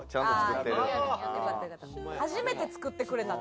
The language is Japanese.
初めて作ってくれたな。